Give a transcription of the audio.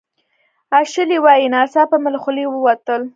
اشلي وايي "ناڅاپه مې له خولې ووتل